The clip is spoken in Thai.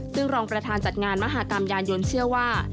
ซึ่งรองประธานจัดงานมหากรรมยานยนต์เชื่อว่า